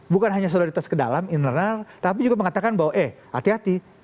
bukan hanya solidaritas ke dalam internal tapi juga mengatakan bahwa eh hati hati